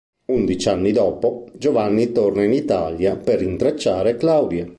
Undici anni dopo Giovanni torna in Italia per rintracciare Claudia.